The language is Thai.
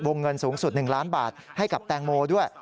เงินสูงสุด๑ล้านบาทให้กับแตงโมด้วย